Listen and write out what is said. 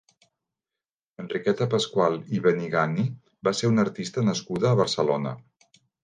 Enriqueta Pascual i Benigani va ser una artista nascuda a Barcelona.